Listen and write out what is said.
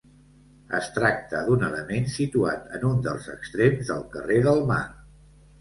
Es tracta d'un element situat en un dels extrems del carrer del Mar.